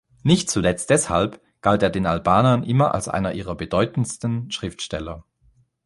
Nicht zuletzt deshalb galt er den Albanern immer als einer ihrer bedeutendsten Schriftsteller.